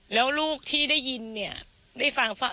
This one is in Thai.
แล้วลูกที่ได้ยินเนี่ยได้ฟังว่า